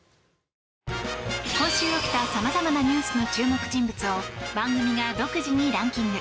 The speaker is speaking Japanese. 今週起きた様々なニュースの注目人物を番組が独自にランキング。